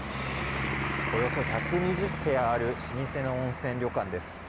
およそ１２０部屋ある老舗の温泉旅館です。